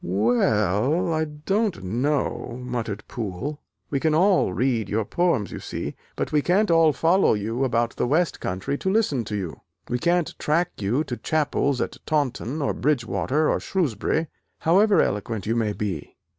"We ell, I don't know," muttered Poole, "We can all read your poems, you see, but we can't all follow you about the west country to listen to you, we can't track you to chapels at Taunton, or Bridgewater, or Shrewsbury, however eloquent you may be.